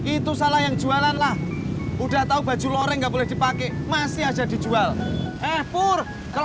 itu salah yang jualan lah udah tahu baju loreng nggak boleh dipakai masih aja dijual eh pur kalau